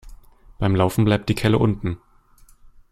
Beim Laufen bleibt die Kelle unten.